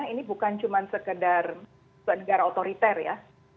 ini bukan cuma sekedar negara otoriter ya